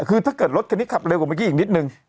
คือถ้าเกิดรถคันนี้ขับเร็วกว่าเมื่อกี้อีกนิดนึง